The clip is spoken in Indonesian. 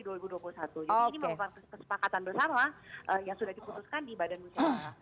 jadi ini merupakan kesepakatan bersama yang sudah diputuskan di badan musyawarah